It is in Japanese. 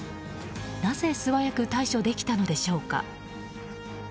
なぜ素早く対処できたのでしょうか。